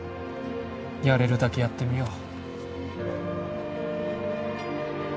やれるだけやってみよう